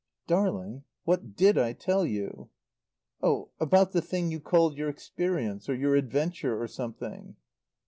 "Darling what did I tell you?" "Oh about the thing you called your experience, or your adventure, or something."